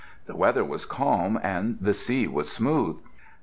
The weather was calm and the sea was smooth.